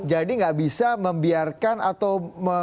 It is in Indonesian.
jadi gak bisa membiarkan atau